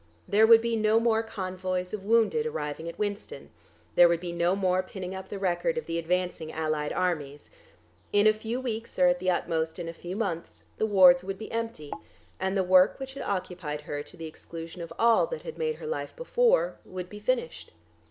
There would be no more convoys of wounded arriving at Winston; there would be no more pinning up the record of the advancing Allied Armies. In a few weeks or at the utmost in a few months the wards would be empty, and the work which had occupied her to the exclusion of all that had made her life before would be finished.